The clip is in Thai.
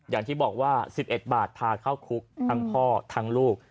อย่างที่บอกว่า๑๑บาทพาเข้าคุกทั้งพ่อทั้งลูก